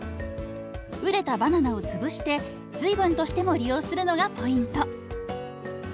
熟れたバナナを潰して水分としても利用するのがポイント。